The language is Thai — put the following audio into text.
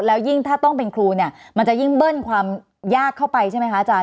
แล้วยิ่งถ้าต้องเป็นครูเนี่ยมันจะยิ่งเบิ้ลความยากเข้าไปใช่ไหมคะอาจารย